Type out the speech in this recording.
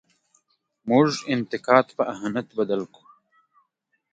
موږ انتقاد په اهانت بدل کړو.